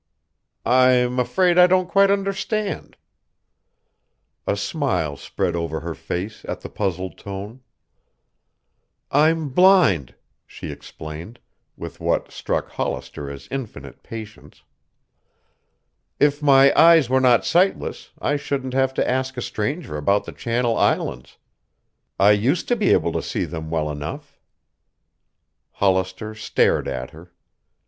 "I'm afraid I don't quite understand." A smile spread over her face at the puzzled tone. "I'm blind," she explained, with what struck Hollister as infinite patience. "If my eyes were not sightless, I shouldn't have to ask a stranger about the Channel Islands. I used to be able to see them well enough." Hollister stared at her.